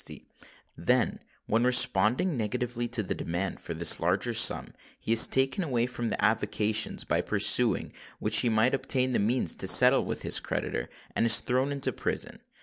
_: then, when responding negatively to the demand for this larger sum, he is taken away from the avocations by pursuing which he might obtain the means to settle with his creditor, and is thrown into prison.